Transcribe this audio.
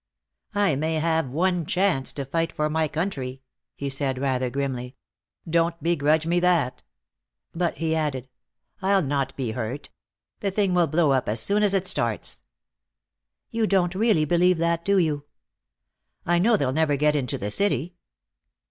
"I may have one chance to fight for my country," he said, rather grimly. "Don't begrudge me that." But he added: "I'll not be hurt. The thing will blow up as soon as it starts." "You don't really believe that, do you?" "I know they'll never get into the city."